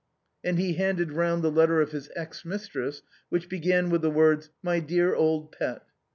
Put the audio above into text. And he handed round the letter of his ex mistress, which began with the words " My dear old pet."